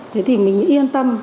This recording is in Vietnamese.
thế thì mình yên tâm